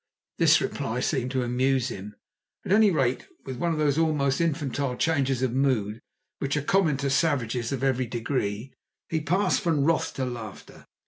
This reply seemed to amuse him. At any rate, with one of those almost infantile changes of mood which are common to savages of every degree, he passed from wrath to laughter.